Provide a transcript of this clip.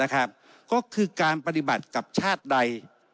ก็คือการปฏิบัติกับชาติใด